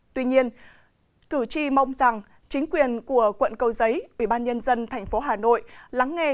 tuy nhiên cử tri mong rằng chính quyền của quận cầu giấy ubnd tp hà nội lắng nghe